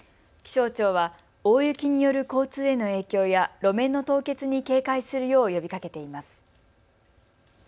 気象庁は大雪による交通への影響や路面の凍結に警戒するよう呼びかけています。